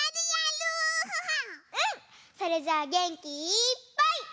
それじゃあげんきいっぱい。